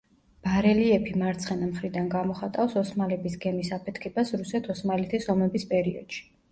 ბარელიეფი მარცხენა მხრიდან გამოხატავს ოსმალების გემის აფეთქებას რუსეთ-ოსმალეთის ომების პერიოდში.